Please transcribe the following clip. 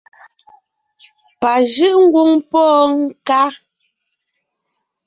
Pà jʉ́’ ńgwóŋ póo ńká.